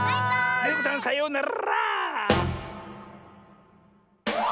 デテコさんさようなら！